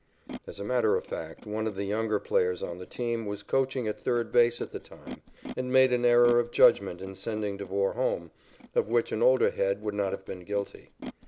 As a matter of fact, one of the younger players on the team was coaching at third base at the time and made an error of judgment in sending Devore home, of which an older head would not have been guilty.